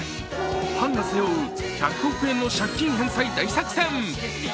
藩が背負う１００億円の借金返済大作戦。